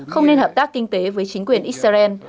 không nên hợp tác kinh tế với chính quyền israel